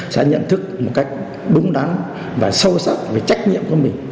sẽ nhận thức một cách đúng đắn và sâu sắc về trách nhiệm của mình